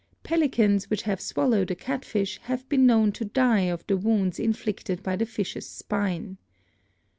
Pelicans which have swallowed a catfish have been known to die of the wounds inflicted by the fish's spine.